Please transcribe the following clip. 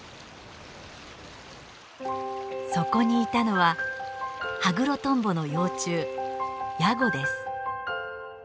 そこにいたのはハグロトンボの幼虫ヤゴです。